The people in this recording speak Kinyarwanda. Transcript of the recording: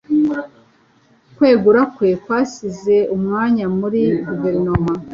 Kwegura kwe kwasize umwanya muri guverinoma.